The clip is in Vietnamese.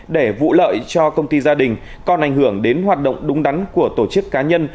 để vụ lợi cho công ty gia đình còn ảnh hưởng đến hoạt động đúng đắn của tổ chức cá nhân